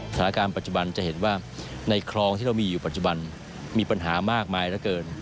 สถานการณ์ปัจจุบันจะเห็นว่าในคลองที่เรามีอยู่ปัจจุบันมีปัญหามากมายเหลือเกิน